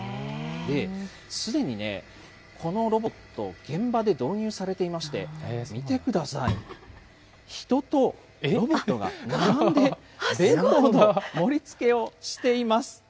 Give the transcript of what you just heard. すでにね、このロボット、現場で導入されていまして、見てください、人とロボットが並んで弁当の盛りつけをしています。